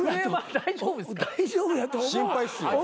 大丈夫やと思う思うよ。